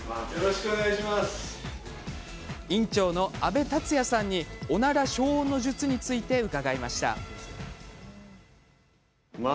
病院の安部達也さんにおなら消音の術について伺いました。